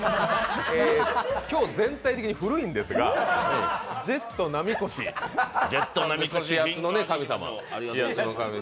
今日、全体的に古いんですが指圧の神様。